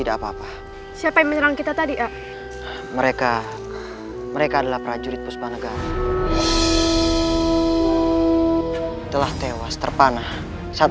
kepada surawi sesa